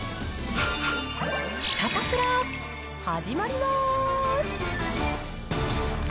サタプラ始まりまーす！